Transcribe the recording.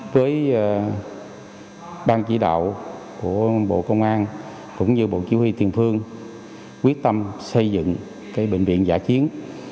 với bang chỉ đạo của bộ công an cũng như bộ chỉ huy tiền phương quyết tâm xây dựng bệnh viện giả chiến